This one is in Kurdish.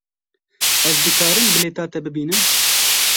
Ez dikarim bilêta te bibînim?